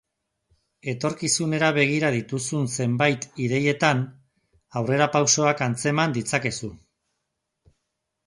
Etorkizunera begira dituzun zenbait ideietan aurrerapausoak antzeman ditzakezu.